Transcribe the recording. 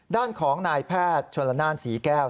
ด้านของนายแพทย์ชนละนานศรีแก้ว